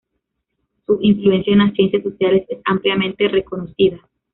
Su influencia en las ciencias sociales es ampliamente reconocida.